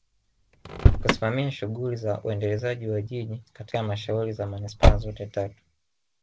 Kusimamia shughuli za uendelezaji wa Jiji katika Halmashauri za Manispaa zote tatu